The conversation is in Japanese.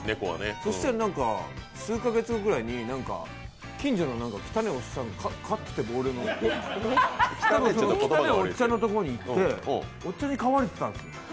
そうしたら数カ月後くらいに近所の汚いおっさんが飼ってて、汚いおっちゃんのところにいっておっちゃんに飼われてたんです。